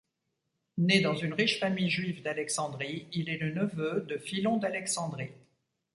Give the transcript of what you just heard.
Né dans une riche famille juive d’Alexandrie, il est le neveu de Philon d'Alexandrie.